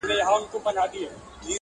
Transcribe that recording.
چي مي ستونی په دعا وو ستړی کړی!